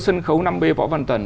sân khấu năm b võ văn tần